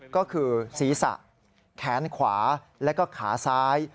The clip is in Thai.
ก็คือศีรษะแขนขวาแล้วก็ขาซ้าย